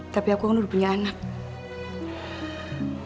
tapi aku udah punya anak